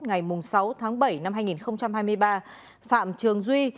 ngày sáu tháng bảy năm hai nghìn hai mươi ba phạm trường duy